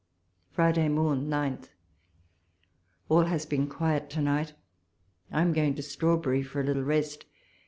Friday morn, 9th. All has been quiet to night. I am going to Strawberry for a little rest.